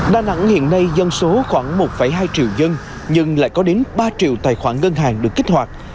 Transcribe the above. đà nẵng hiện nay dân số khoảng một hai triệu dân nhưng lại có đến ba triệu tài khoản ngân hàng được kích hoạt